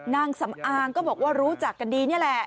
นางสำอางก็บอกว่ารู้จักกันดีนี่แหละ